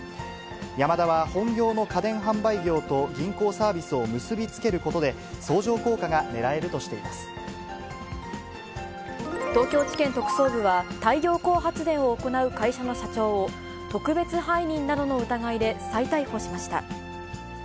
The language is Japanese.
ヤマダは、本業の家電販売業と、銀行サービスを結び付けることで、相乗効果東京地検特捜部は、太陽光発電を行う会社の社長を、特別背任などの疑いで再逮捕しました。